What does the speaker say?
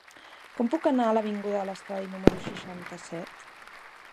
Com puc anar a l'avinguda de l'Estadi número seixanta-set?